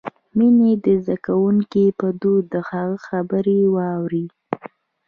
مينه دې د زدکونکې په دود د هغه خبرې واوري.